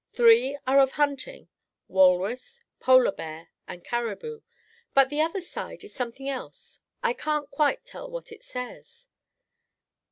Three are of hunting—walrus, polar bear and caribou. But the other side is something else. I can't quite tell what it says."